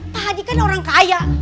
pak haji kan orang kaya